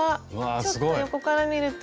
ちょっと横から見ると。